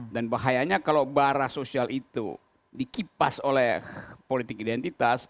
dan bahayanya kalau barah sosial itu dikipas oleh politik identitas